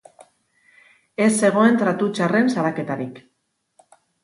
Ez zegoen tratu txarren salaketarik.